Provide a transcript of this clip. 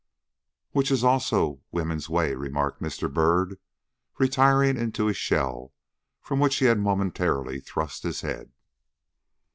"Which is also woman's way," remarked Mr. Byrd, retiring into his shell, from which he had momentarily thrust his head.